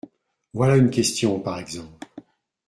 Voilà une question, par exemple !…